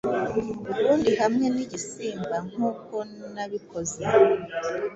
Ubundi hamwe nigisimbankuko nabikoze